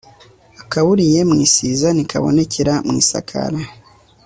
akaburiye mu isiza ntikabonekera mu isakara